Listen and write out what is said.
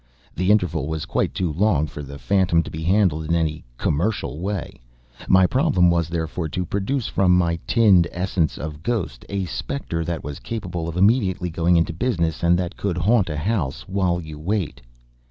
The interval was quite too long for the phantom to be handled in any commercial way. My problem was, therefore, to produce from my tinned Essence of Ghost a specter that was capable of immediately going into business and that could haunt a house while you wait.